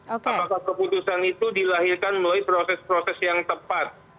apakah keputusan itu dilahirkan melalui proses proses yang tepat